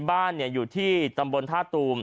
บ้านอยู่ที่ตำบลท่าตูม